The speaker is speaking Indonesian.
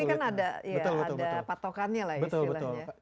ini kan ada patokannya lah istilahnya